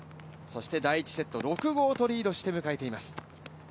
そして第１セット６ー５とリードして奪っています。